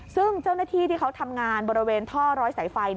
ซึ่งเจ้าหน้าที่ที่เขาทำงานบริเวณท่อร้อยสายไฟ